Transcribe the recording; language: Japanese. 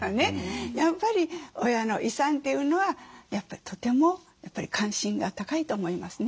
やっぱり親の遺産というのはとてもやっぱり関心が高いと思いますね。